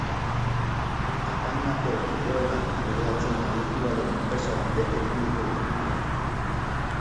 Tamainako egoerak kudeatzen aditua den enpresa batek egin du proiektua.